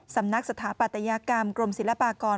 สำนักสถาปัตยกรรมกรมศิลปากร